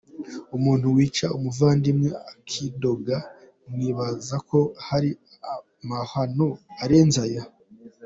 Umuntu wica umuvandimwe akidoga mwibazako hari amahano arenze ayo ?